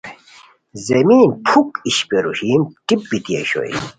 زمین پُھک اشپیرو ہیمہ ٹیپ بیتی اوشوئے